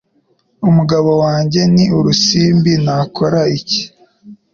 Umugabo wanjye ni urusimbi. Nakora iki?